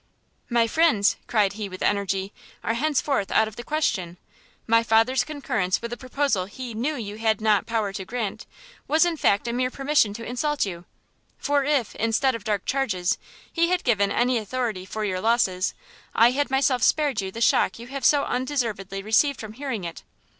"My friends," cried he with energy, "are henceforth out of the question: my father's concurrence with a proposal he knew you had not power to grant, was in fact a mere permission to insult you; for if, instead of dark charges, he had given any authority for your losses, I had myself spared you the shock you have so undeservedly received from hearing it.